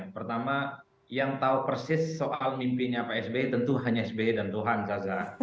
pertama yang tahu persis soal mimpinya psb tentu hanya sbe dan tuhan saza